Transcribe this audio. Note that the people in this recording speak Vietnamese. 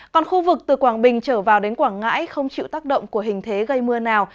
còn khu vực từ quảng bình trở vào đến quảng ngãi không chịu tác động của hình thế gây mưa nào